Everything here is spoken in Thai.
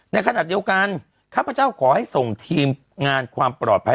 ในขณะเดียวกันข้าพเจ้าขอให้ส่งทีมงานความปลอดภัย